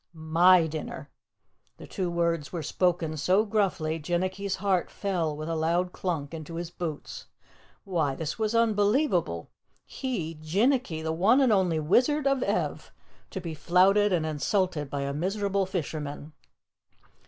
"MY dinner." The two words were spoken so gruffly, Jinnicky's heart fell with a loud clunk into his boots. Why, this was unbelievable! He, Jinnicky, the one and only Wizard of Ev, to be flouted and insulted by a miserable fisherman.